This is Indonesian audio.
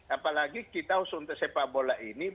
apalagi kita suntesepabola ini